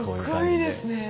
かっこいいですね。